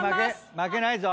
負けないぞ。